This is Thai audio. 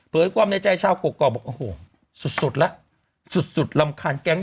ความในใจชาวกรอกบอกโอ้โหสุดสุดแล้วสุดสุดรำคาญแก๊ง